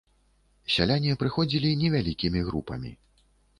Сяляне прыходзілі невялікімі групамі.